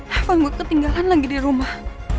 handphone gue ketinggalan lagi di rumah